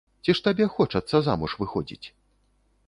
Ці ж табе хочацца замуж выходзіць?